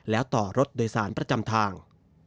แล้วต่อรถโดยสารประจำทาง